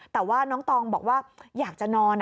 แต่ว่าน้องตองบอกว่าอยากจะนอน